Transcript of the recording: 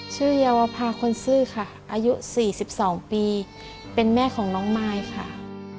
เยาวภาคนซื่อค่ะอายุ๔๒ปีเป็นแม่ของน้องมายค่ะ